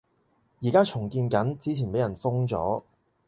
而家重建緊，之前畀人封咗